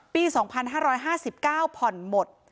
ปี๒๕๕๙ผ่อนหมด